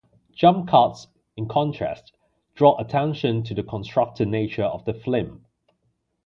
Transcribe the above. Jump cuts, in contrast, draw attention to the constructed nature of the film.